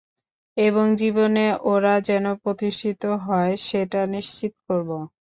এবং জীবনে ওরা যেন প্রতিষ্ঠিত হয় সেটা নিশ্চিত করবো।